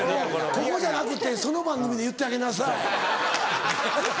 ここじゃなくてその番組で言ってあげなさい。